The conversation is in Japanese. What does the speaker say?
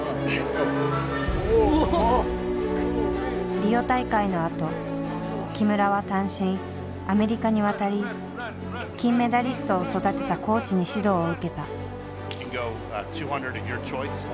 リオ大会のあと木村は単身アメリカに渡り金メダリストを育てたコーチに指導を受けた。